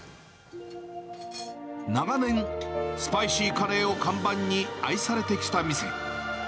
長年、スパイシーカレーを看板に愛されてきた店。